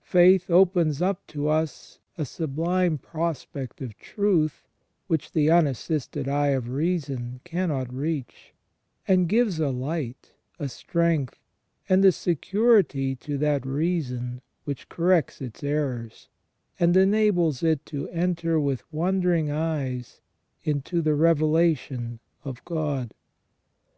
Faith opens up to us a sublime prospect of truth which the unassisted eye of reason cannot reach, and gives a light, a strength, and a security to that reason which corrects its errors, and enables it to enter with wondering eyes into the revelation of God.